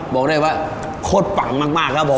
บอกได้ว่าโคตรปังมากครับผม